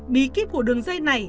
bí kíp của đường dây này